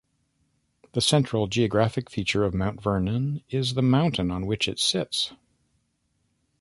The central geographic feature of Mount Vernon is the "mountain" on which it sits.